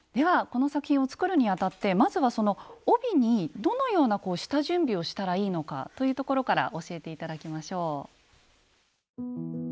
この作品を作るにあたってまずはその帯にどのような下準備をしたらいいのかというところから教えて頂きましょう。